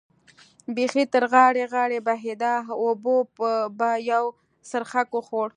بېخي تر غاړې غاړې بهېده، اوبو به یو څرخک وخوړ.